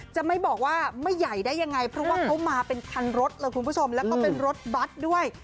จะไม่บอกว่าไม่ใหญ่ได้ยังไงเพราะว่าเขามาเป็นคันรถเลยคุณผู้ชมแล้วก็เป็นรถบัตรด้วย